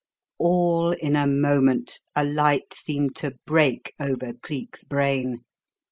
All in a moment a light seemed to break over Cleek's brain.